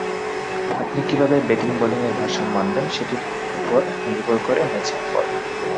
আপনি কীভাবে ব্যাটিং-বোলিংয়ে ভারসাম্য আনবেন সেটির ওপর নির্ভর করে ম্যাচের ফল।